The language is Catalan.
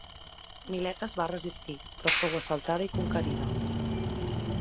Milet es va resistir però fou assaltada i conquerida.